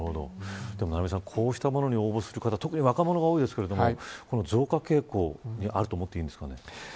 こうしたことに応募する若者が多いですが増加傾向にあるとみていいんですかね。